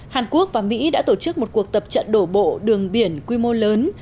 hàn quốc và mỹ đã tổ chức một cuộc tập trận đổ bộ quy mô lớn